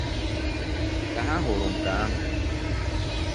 Ka ha hụrụ nke ahụ